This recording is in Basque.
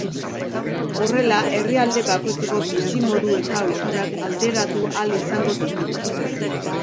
Horrela, herrialde bakoitzeko bizimodu eta ohiturak alderatu ahal izango ditugu.